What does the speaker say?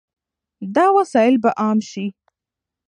دا وسایل به عام شي.